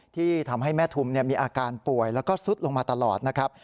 ที่ทำให้แม่ทุมมีอาการป่วยแล้วก็ซุดลงมาตลอดนะครับ